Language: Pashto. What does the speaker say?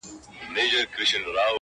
عمر تېر سو زه په صبر نه مړېږم-